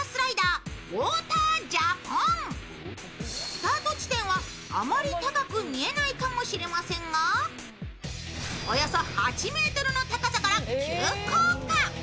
スタート地点はあまり高く見えないかもしれませんが、およそ８ｍの高さから急降下。